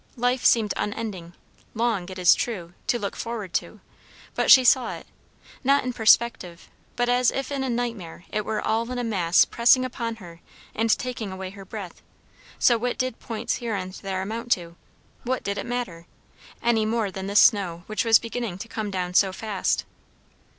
Life seemed unending, long, it is true, to look forward to; but she saw it, not in perspective, but as if in a nightmare it were all in mass pressing upon her and taking away her breath. So what did points here and there amount to? What did it matter? any more than this snow which was beginning to come down so fast.